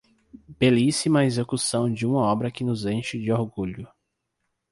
Belíssima execução de uma obra que nos enche de orgulho